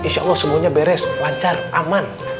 insya allah semuanya beres lancar aman